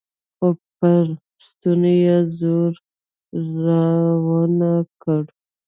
خو پر ستوني يې زور راونه کړ.